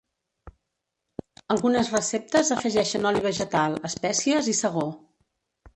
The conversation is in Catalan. Algunes receptes afegixen oli vegetal, espècies i segó.